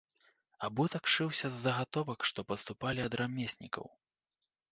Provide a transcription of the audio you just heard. Абутак шыўся з загатовак, што паступалі ад рамеснікаў.